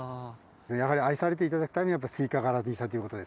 やはり愛されて頂くためにスイカ柄にしたということですね。